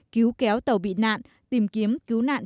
cứu kéo tàu bị nạn tìm kiếm cứu nạn